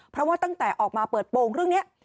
เพราะว่าตั้งแต่ออกมาเปิดโปรงเรื่องนี้